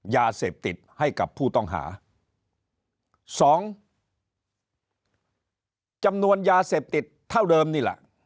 ยาเสพติดให้กับผู้ต้องหาสองจำนวนยาเสพติดเท่าเดิมนี่แหละ